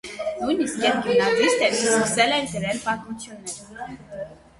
Նույնիսկ երբ գիմնազիստ էր սկսել էր գրել պատմություններ։